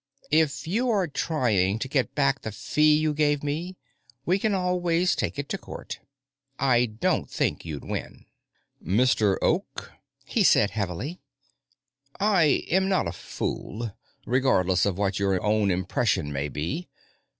"If you are trying to get back the fee you gave me, we can always take it to court. I don't think you'd win." "Mr. Oak," he said heavily, "I am not a fool, regardless of what your own impression may be.